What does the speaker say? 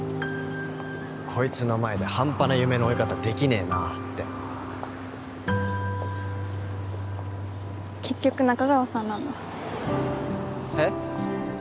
こいつの前で半端な夢の追い方できねえなって結局仲川さんなんだえっ？